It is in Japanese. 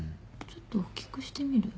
ちょっとおっきくしてみる？